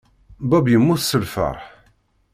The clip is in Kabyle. Bob yemmut seg lfeṛḥ.